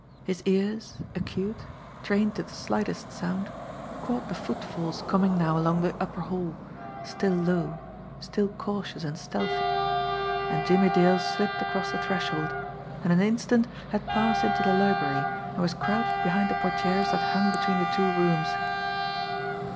His ears, acute, trained to the slightest sound, caught the footfalls coming now along the upper hall, still low, still cautious and stealthy and Jimmie Dale slipped across the threshold, and in an instant had passed into the library and was crouched behind the portieres that hung beiween the two rooms.